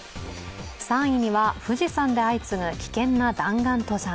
３位には富士山で相次ぐ危険な弾丸登山。